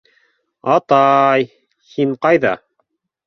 — Ата-ай, һин ҡайҙа.